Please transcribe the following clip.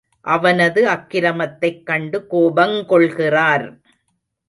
அவனது அக்கிரமத்தைக் கண்டு கோபங் கொள்கிறார்.